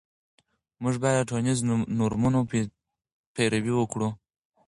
موږ باید د ټولنیزو نورمونو پیروي وکړو.